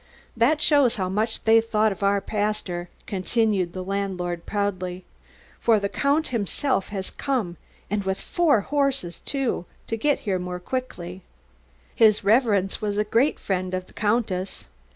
"That shows how much they thought of our pastor," continued the landlord proudly. "For the Count himself has come and with four horses, too, to get here the more quickly. His Reverence was a great friend of the Countess."